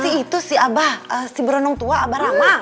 si itu si abah si berenung tua abah ramang